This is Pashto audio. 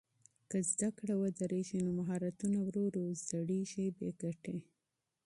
که زده کړه ودرېږي نو مهارتونه ورو ورو زړېږي بې ګټې.